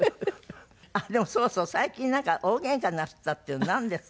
あっでもそうそう最近なんか大喧嘩なすったっていうのはなんですか？